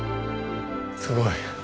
すごい。